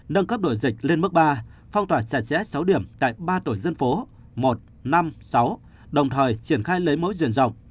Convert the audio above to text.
nâng cấp độ dịch lên mức ba phong tỏa trả trẻ sáu điểm tại ba tổ dân phố một năm sáu đồng thời triển khai lấy mỗi diện rộng